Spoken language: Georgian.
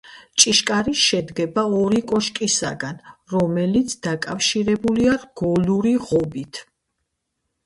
ჭიშკარი შედგება ორი კოშკისაგან, რომელიც დაკავშირებულია რგოლური ღობით.